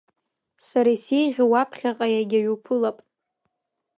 Сара исеиӷьу уаԥхьаҟа иагьаҩ уԥылап…